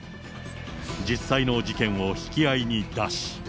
実際の事件を引き合いに出し。